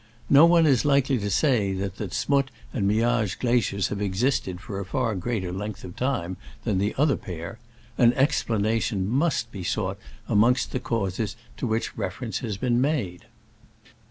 . No one is likely to say that the Z'Mutt and Miage glaciers have existed for a far greater length of time than the other pair: an explanation must be sought amongst the causes to which reference has been made.